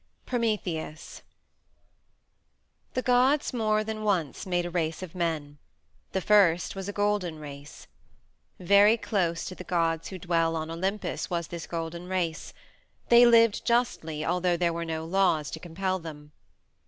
Prometheus The gods more than once made a race of men: the first was a Golden Race. Very close to the gods who dwell on Olympus was this Golden Race; they lived justly although there were no laws to compel them.